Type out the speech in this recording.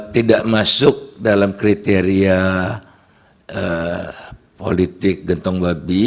tidak masuk dalam kriteria politik gentong babi